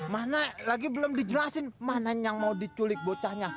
mana lagi belum dijelasin mana yang mau diculik bocahnya